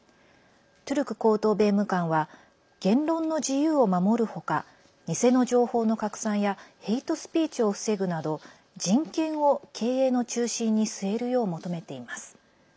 トゥルク高等弁務官は言論の自由を守る他偽の情報の拡散やヘイトスピーチを防ぐなど人権を経営の中心に据えるよう求めています。